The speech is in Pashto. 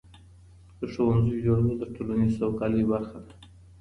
د ښوونځیو جوړول د ټولنیزې سوکالۍ برخه ده.